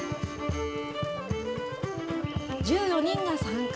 １４人が参加。